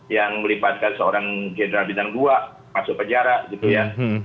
yang melibatkan seorang general bintang dua masuk penjara gitu ya